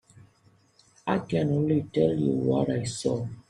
I can only tell you what I saw.